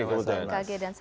bmkg dan saras